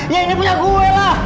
dia ini punya gue lah